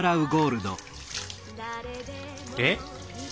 えっ？